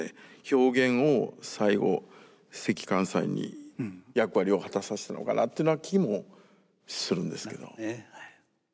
表現を最後関寛斎に役割を果たさせたのかなっていうような気もするんですけど。